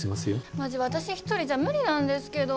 まじ私１人じゃ無理なんですけど。